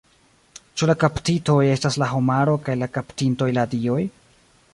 Ĉu la kaptitoj estas la homaro kaj la kaptintoj la dioj?